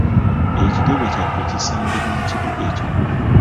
Ekitebe kyaffe kisangibwa mu kibuga ekikulu.